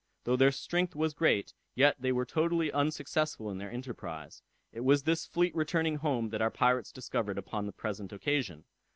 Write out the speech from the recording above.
Though their strength was great, yet they were totally unsuccessful in their enterprise. It was this fleet returning home that our pirates discovered upon the present occasion.